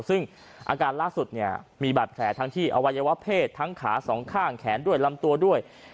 ซึ่งอาการล่าสุดเนี่ยมีบาดแผลทั้งที่อวัยวะเพศทั้งขาสองข้างแขนด้วยลำตัวด้วย